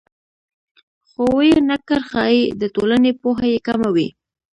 خو ویې نه کړ ښایي د ټولنې پوهه یې کمه وي